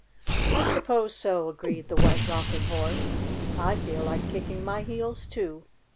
"I suppose so," agreed the White Rock ing Horse. "I feel like kicking my heels, too."